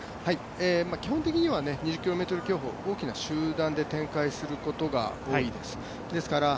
基本的には２０ｋｍ競歩大きな集団で展開することが多いです。